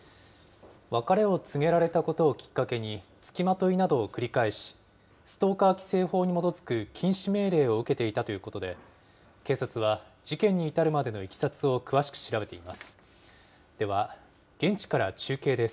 別れを告げられたことをきっかけに、つきまといなどを繰り返し、ストーカー規制法に基づく禁止命令を受けていたということで、警察は事件に至るまでのいきさつを詳しく調べています。